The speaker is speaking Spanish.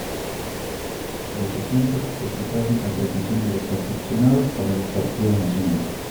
Los asientos se quitaron a petición de los aficionados para los partidos nacionales.